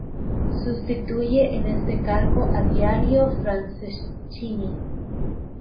Sustituye en este cargo a Dario Franceschini.